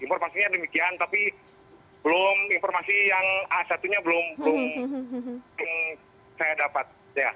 informasinya demikian tapi belum informasi yang a satu nya belum saya dapat